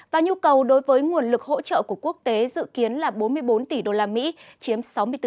và nhu cầu đối với nguồn lực hỗ trợ của quốc tế dự kiến là bốn mươi bốn tỷ usd chiếm sáu mươi bốn